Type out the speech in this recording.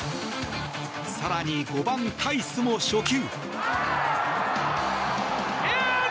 更に５番、タイスも初球。